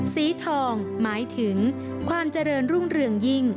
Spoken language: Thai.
สีทองหมายถึงความเจริญรุ่งเรืองยิ่ง